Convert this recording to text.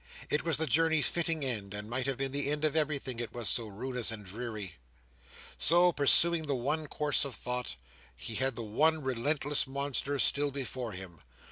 It was the journey's fitting end, and might have been the end of everything; it was so ruinous and dreary. So, pursuing the one course of thought, he had the one relentless monster still before him.